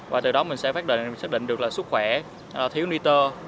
và từ đó mình sẽ xác định được là sức khỏe thiếu nitro